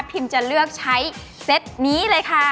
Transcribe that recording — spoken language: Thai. จะเลือกใช้เซตนี้เลยค่ะ